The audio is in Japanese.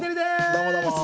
どうもどうも。